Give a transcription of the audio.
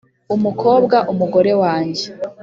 umukobwa, umugore wanjye